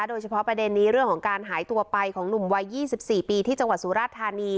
โดยเฉพาะประเด็นนี้เรื่องของการหายตัวไปของหนุ่มวัย๒๔ปีที่จังหวัดสุราชธานี